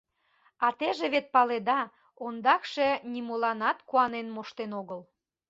А теже вет паледа, ондакше нимоланат куанен моштен огыл.